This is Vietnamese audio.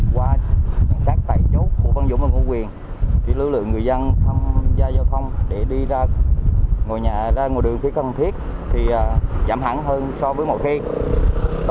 qua sát tại chốt của văn dũng và ngô quyền lượng người dân thăm gia giao thông để đi ra ngồi đường khi cần thiết giảm hẳn hơn so với mẫu thiết